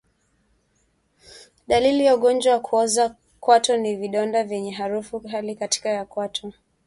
Dalili ya ugonjwa wa kuoza kwato ni vidonda vyenye harufu kali katikati ya kwato